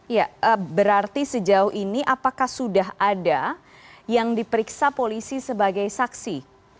ya berarti sejauh ini apakah sudah ada yang diperiksa polisi sebagai saksi